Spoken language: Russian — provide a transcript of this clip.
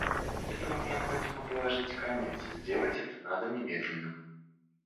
Этому необходимо положить конец и сделать это надо немедленно.